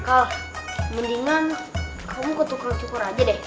kal mendingan kamu ketuker cukur aja deh